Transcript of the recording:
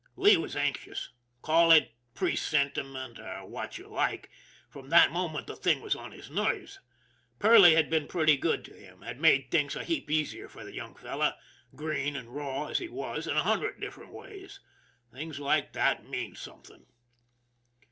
Lee was anxious. Call it presentiment or what you like, from that moment the thing was on his nerves. Perley had been pretty good to him ; had made things a heap easier for the young fellow, green and raw as he was, in a hundred different ways. Things like that mean something.